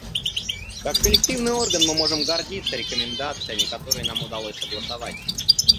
Как коллективный орган мы можем гордиться рекомендациями, которые нам удалось согласовать.